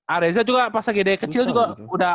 areza juga pas lagi deh kecil juga udah